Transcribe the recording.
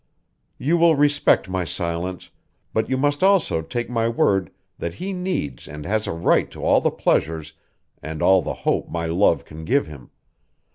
You will respect my silence, but you must also take my word that he needs and has a right to all the pleasure and all the hope my love can give him.